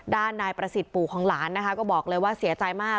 ด้านนายประสิทธิ์ปู่ของหลานนะคะก็บอกเลยว่าเสียใจมาก